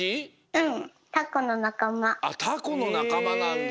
うん。あっタコのなかまなんだ。